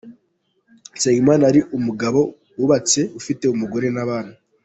Nsengimana yari umugabo wubatse ufite umugore n’abana.